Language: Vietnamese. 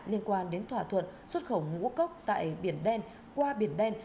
liên quan đến thỏa thuận xuất khẩu ngũ cốc tại biển đen qua biển đen